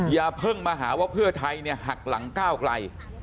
อย่าเพิ่งมาหาว่าเพื่อไทยหักหลังก้าวไกล